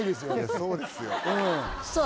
そうですよさあ